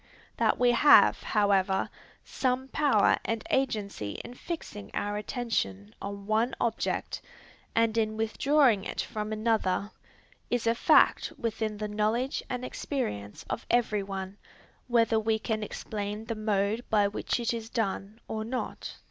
That we have, however, some power and agency in fixing our attention on one object and in withdrawing it from another, is a fact within the knowledge and experience of every one, whether we can explain the mode by which it is done or not.